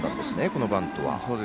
このバントは。